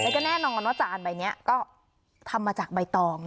แล้วก็แน่นอนว่าจานใบนี้ก็ทำมาจากใบตอง